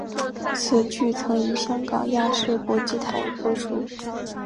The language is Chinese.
此剧曾于香港亚视国际台播出。